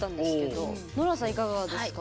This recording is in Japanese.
いかがですか？